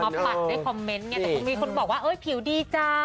มาปัดในคอมเมนต์แต่คงมีคนบอกว่าเอ้ยผิวดีจ้า